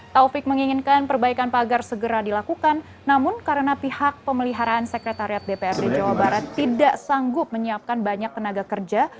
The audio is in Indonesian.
taufik menginginkan perbaikan pagar segera dilakukan namun karena pihak pemeliharaan sekretariat dprd jawa barat tidak sanggup menyiapkan banyak tenaga kerja